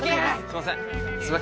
すいません